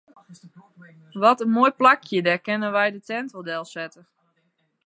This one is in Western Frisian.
Wat in moai plakje, dêr kinne wy de tinte wol delsette.